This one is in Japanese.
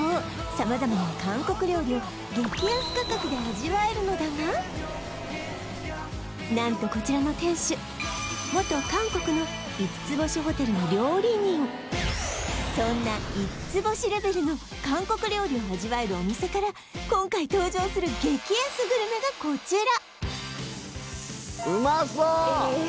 様々な韓国料理を激安価格で味わえるのだが何とこちらの店主元韓国のそんな五つ星レベルの韓国料理を味わえるお店から今回登場する激安グルメがこちら！